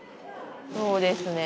そうですね。